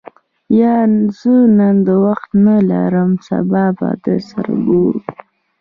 یا، زه نن وخت نه لرم سبا به سره ګورو.